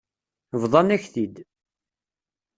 Bḍan-ak-t-id.